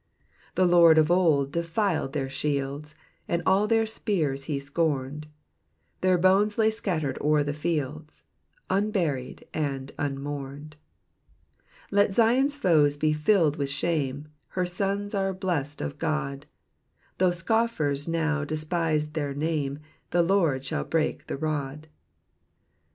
The Lord of old defiled their shields, And all their spears he scom'd ; Their bones lay scatter'd o'er the fields, Unburied and unmoum'd. Let Zion's foes be filled with shame ; Her sons are bless'd of God ; Though scofiers now despise their name. The Lord shall break the rod.